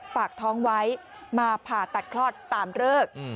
ปากท้องไว้มาผ่าตัดคลอดตามเลิก